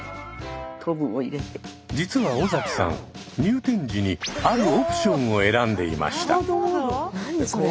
実は尾崎さん入店時にあるオプションを選んでいました。